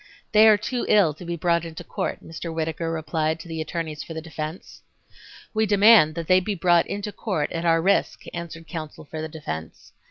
"They are too ill to be brought into court," Mr. Whittaker replied to the attorneys for the defense. "We demand that they be brought into court at our risk," answered counsel for the defense.